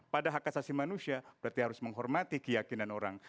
pada hak asasi manusia berarti harus menghormati keyakinan orang